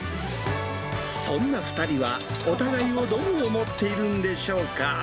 そんな２人は、お互いをどう思っているんでしょうか。